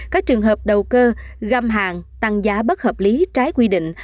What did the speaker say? các trường hợp đầu cơ găm hàng tăng giá bất hợp lý trái quy định